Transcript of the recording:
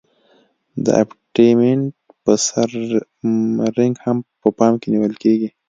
د ابټمنټ په سر رینګ هم په پام کې نیول کیږي